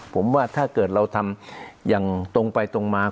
ผมว่าถ้าเกิดเราทำอย่างตรงไปตรงมา